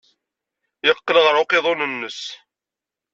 Yeqqel ɣer uqiḍun-nnes.